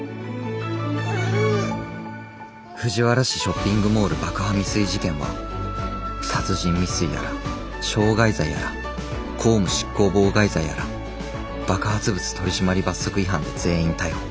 藤原市ショッピングモール爆破未遂事件は殺人未遂やら傷害罪やら公務執行妨害罪やら爆発物取締罰則違反で全員逮捕。